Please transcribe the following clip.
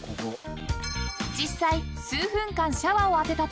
［実際］